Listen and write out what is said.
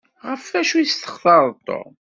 Ɣef acu i testaxṛeḍ Tom?